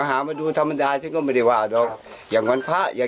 เอ้าฟังสิ่งหลวงพ่อค่ะ